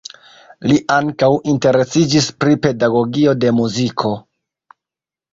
Li ankaŭ interesiĝis pri pedagogio de muziko.